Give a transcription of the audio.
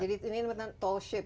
jadi ini tol sip